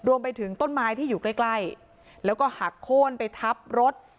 รวมไปถึงต้นไม้ที่อยู่ใกล้ใกล้แล้วก็หักโค้นไปทับรถ